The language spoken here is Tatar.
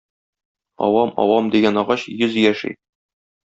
Авам-авам дигән агач йөз яши.